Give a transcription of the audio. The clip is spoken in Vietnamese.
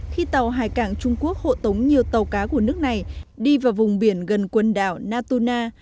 khi tàu hải cảng trung quốc hộ tống nhiều tàu cá của nước này đi vào vùng biển gần quần đảo natuna